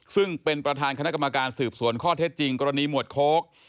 ซึ่งเป็นประธานคณะกรรมการสืบสวนข้อเท็จจริงกรณีหมวดโค้ก